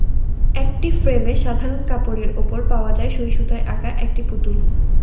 একটি ফ্রেমে সাধারণ কাপড়ের ওপর পাওয়া যায় সুই-সুতোয় আঁকা একটি পুতুল।